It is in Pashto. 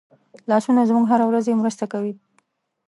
لاسونه زموږ هره ورځي مرسته کوي